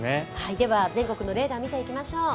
では、全国のレーダー見ていきましょう。